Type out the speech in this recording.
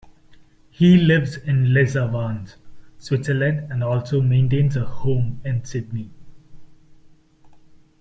He lives in Les Avants, Switzerland and also maintains a home in Sydney.